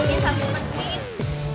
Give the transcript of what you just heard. sampai berapa ini